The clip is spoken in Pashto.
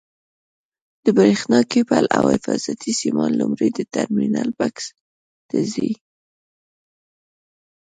د برېښنا کېبل او حفاظتي سیمان لومړی د ټرمینل بکس ته ځي.